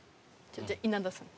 じゃあ稲田さん。